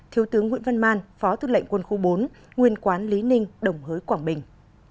hai thiếu tướng nguyễn văn man phó tư lệnh quân khu bốn nguyên quán lý ninh đồng hới quảng bình